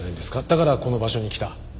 だからこの場所に来た。